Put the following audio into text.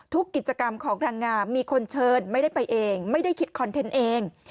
กิจกรรมของนางงามมีคนเชิญไม่ได้ไปเองไม่ได้คิดคอนเทนต์เอง